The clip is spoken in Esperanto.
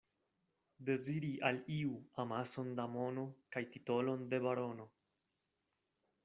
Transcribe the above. Deziri al iu amason da mono kaj titolon de barono.